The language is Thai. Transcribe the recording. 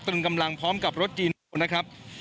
กำลังพร้อมกับรถจีนนะครับ